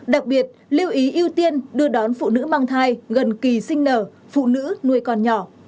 đặc biệt lưu ý ưu tiên đưa đón phụ nữ mang thai gần kỳ sinh nở phụ nữ nuôi con nhỏ